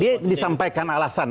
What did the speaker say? dia disampaikan alasan